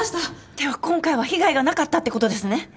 では今回は被害がなかったってことですね？